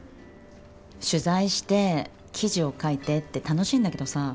取材して記事を書いてって楽しいんだけどさ